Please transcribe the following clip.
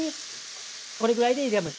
これぐらいでいいです。